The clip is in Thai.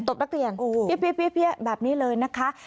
บนักเรียนเปี้ยแบบนี้เลยนะคะ